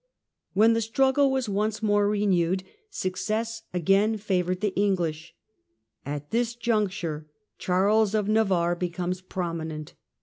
When the struggle was once more renewed, success Charles the again favoured the English. At this juncture Charles of Navam Navarre becomes prominent.